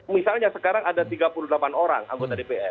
misalnya sekarang ada tiga puluh delapan orang anggota dpr